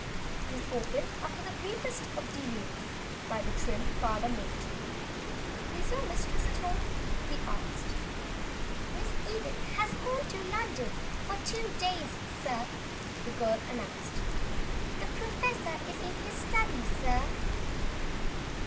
It was opened after the briefest of delays by the trim parlor maid. "Is your mistress at home?" he asked. "Miss Edith has gone to London for two days, sir," the girl announced. "The professor is in his study, sir."